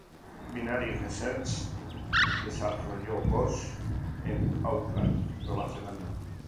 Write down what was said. Binary Research desarrollo Ghost en Auckland, Nueva Zelanda.